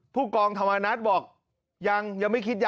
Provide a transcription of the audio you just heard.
ผู้กองธวรรณัชบอก